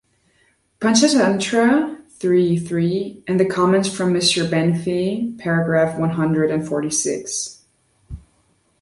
Pantchatantra (three, three), and the comments from Mr Benfey (§ one hundred and forty six).